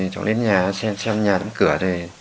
cháu đến nhà xem nhà tấm cửa